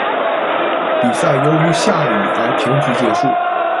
比赛由于下雨而平局结束。